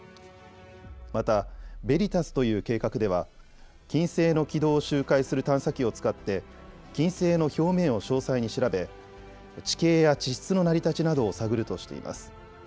またＶＥＲＩＴＡＳという計画では金星の軌道を周回する探査機を使って金星の表面を詳細に調べ、地形や地質の成り立ちなどを探るとしています。